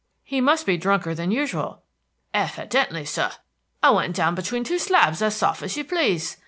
"He must be drunker than usual." "Hevidently, sir. I went down between two slabs as soft as you please.